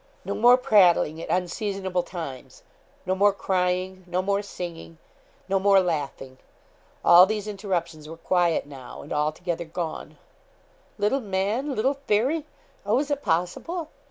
No more prattling at unseasonable times no more crying no more singing no more laughing; all these interruptions were quiet now, and altogether gone 'Little man! little Fairy! Oh, was it possible!'